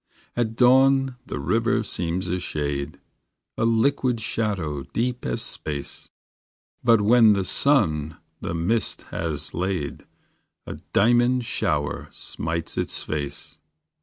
At dawn the river seems a shade A liquid shadow deep as space; But when the sun the mist has laid, A diamond shower smites its face.